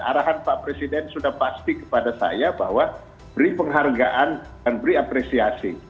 arahan pak presiden sudah pasti kepada saya bahwa beri penghargaan dan beri apresiasi